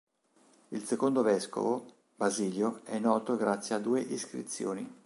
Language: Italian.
Il secondo vescovo, Basilio, è noto grazie a due iscrizioni.